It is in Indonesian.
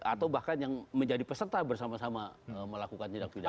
atau bahkan yang menjadi peserta bersama sama melakukan tindak pidana